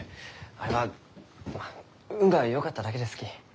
あれは運がよかっただけですき。